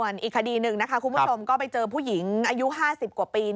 ส่วนอีกคดีหนึ่งนะคะคุณผู้ชมก็ไปเจอผู้หญิงอายุ๕๐กว่าปี